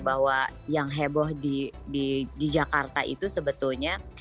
bahwa yang heboh di jakarta itu sebetulnya